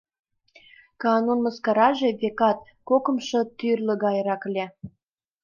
Каанун мыскараже, векат, кокымшо тӱрлӧ гайрак ыле.